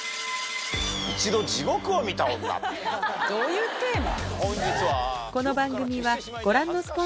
どういうテーマ？